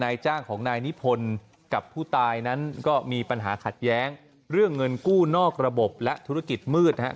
จ้างของนายนิพนธ์กับผู้ตายนั้นก็มีปัญหาขัดแย้งเรื่องเงินกู้นอกระบบและธุรกิจมืดนะครับ